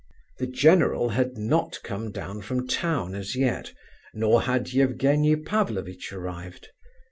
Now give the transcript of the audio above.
The general had not come down from town as yet, nor had Evgenie Pavlovitch arrived.